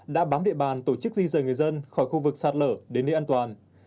đã bám địa bàn tổ chức di rời người dân khỏi khu vực sạt lở đến nơi an toàn